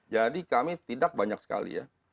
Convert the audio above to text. jadi kami tidak banyak sekali ya